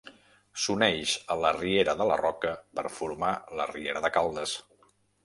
S'uneix a la riera de la Roca per formar la riera de Caldes.